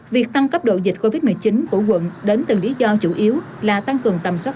việc tăng cấp độ dịch covid một mươi chín của quận đến từng lý do chủ yếu là tăng cường tầm soát